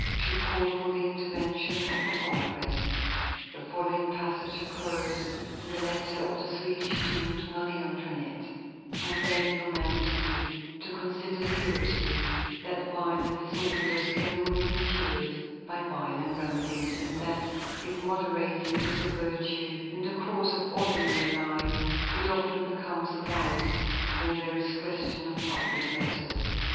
should call for the intervention of a congress. The following passage occurs in the letter of the Swedish King to Marie Antoinette: "I beg Your Majesty to consider seriously that violent disorders can only be cured by violent remedies, and that if moderation is a virtue in the course of ordinary life, it often becomes a vice when there is question of public matters.